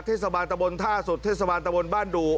เทศบาลตะบนท่าสดเทศบาลตะบนบ้านดู